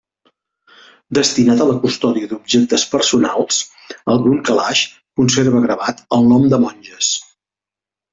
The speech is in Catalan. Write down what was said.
Destinat a la custòdia d'objectes personals, algun calaix conserva gravat el nom de monges.